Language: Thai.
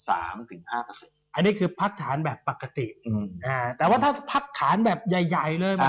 อันนี้คือพักฐานแบบปกติแต่ว่าถ้าพักฐานแบบใหญ่ใหญ่เลย